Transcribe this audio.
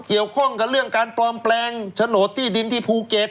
เกี่ยวข้องกับเรื่องการปลอมแปลงโฉนดที่ดินที่ภูเก็ต